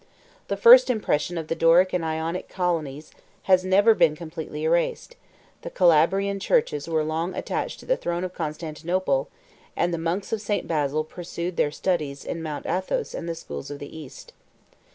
86 The first impression of the Doric and Ionic colonies has never been completely erased: the Calabrian churches were long attached to the throne of Constantinople: and the monks of St. Basil pursued their studies in Mount Athos and the schools of the East.